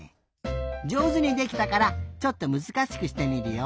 じょうずにできたからちょっとむずかしくしてみるよ。